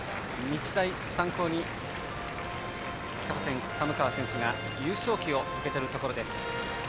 日大三高のキャプテン寒川選手が優勝旗を受け取るところです。